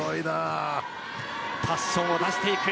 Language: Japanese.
パッションを出していく。